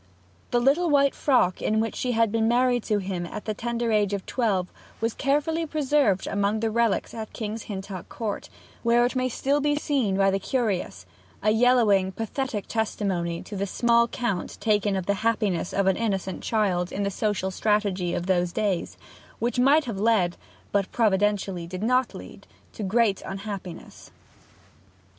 The little white frock in which she had been married to him at the tender age of twelve was carefully preserved among the relics at King's Hintock Court, where it may still be seen by the curious a yellowing, pathetic testimony to the small count taken of the happiness of an innocent child in the social strategy of those days, which might have led, but providentially did not lead, to great unhappiness.